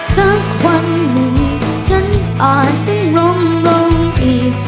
สักวันหนึ่งฉันอาจต้องล้มลงอีก